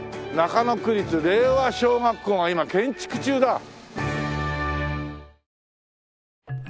中野区立令和小学校が今建築中だ。